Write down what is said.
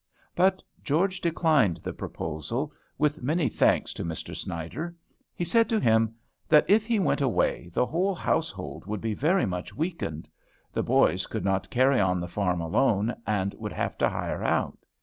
But George declined the proposal, with many thanks to Mr. Snyder. He said to him, "that, if he went away, the whole household would be very much weakened. The boys could not carry on the farm alone, and would have to hire out.